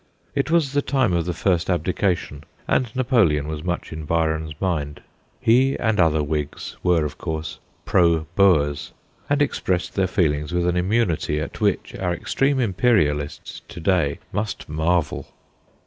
It was the time of the first abdication, and Napoleon was much in Byron's mind. He and other Whigs were, of course, ' pro Boers/ and expressed their feelings with an immunity at which our extreme Imperialists to day must marvel.